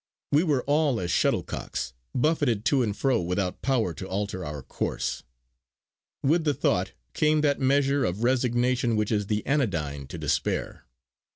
We were all as shuttlecocks, buffeted to and fro without power to alter our course. With the thought came that measure of resignation which is the anodyne to despair.